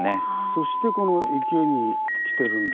そしてこの池に来てるんだ。